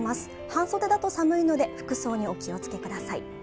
半袖だと寒いので、服装にお気をつけください。